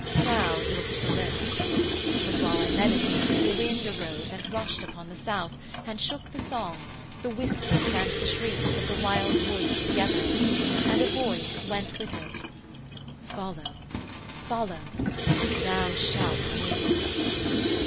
Proud looked the lips: but while I meditated A wind arose and rushed upon the South, And shook the songs, the whispers, and the shrieks Of the wild woods together; and a Voice Went with it, 'Follow, follow, thou shalt win.'